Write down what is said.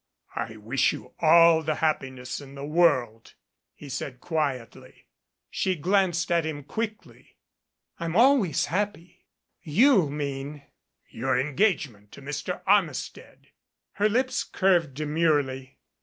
"I wish you all the happiness in the world," he said quietly. She glanced at him quickly. "I'm always happy. You mean " "Your engagement to Mr. Armistead." Her lips curved demurely.